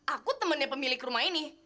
aku temennya pemilik rumah ini